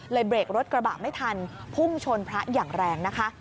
เบรกรถกระบะไม่ทันพุ่งชนพระอย่างแรงนะคะ